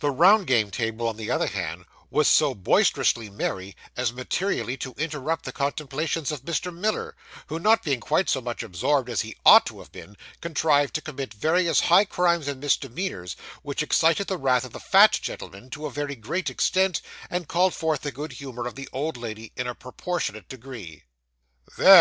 The round game table, on the other hand, was so boisterously merry as materially to interrupt the contemplations of Mr. Miller, who, not being quite so much absorbed as he ought to have been, contrived to commit various high crimes and misdemeanours, which excited the wrath of the fat gentleman to a very great extent, and called forth the good humour of the old lady in a proportionate degree. 'There!